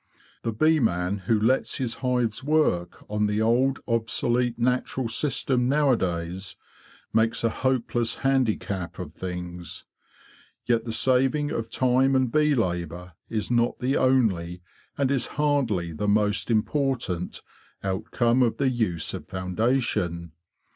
The bee man who lets his hives work on the old obsolete natural system nowadays makes a hopeless handicap of things. Yet the saving of time and bee labour is not the only, and is hardly the most important, outcome of the use of founda tion.